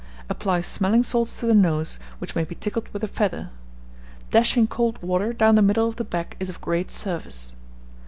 Apply smelling salts to the nose, which may be tickled with a feather. Dashing cold water down the middle of the back is of great service.